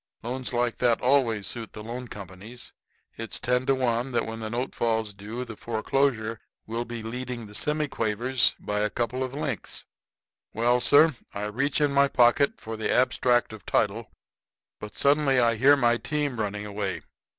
Loans like that always suit the loan companies. It's ten to one that when the note falls due the foreclosure will be leading the semiquavers by a couple of lengths. "Well, sir, I reach in my pocket for the abstract of title; but I suddenly hear my team running away.